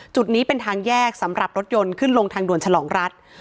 จุดนี้เป็นทางแยกสำหรับรถยนต์ขึ้นลงทางด่วนฉลองรัฐ